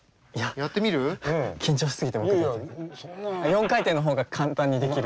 ４回転の方が簡単にできる。